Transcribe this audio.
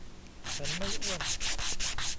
ฉันไม่อ้วน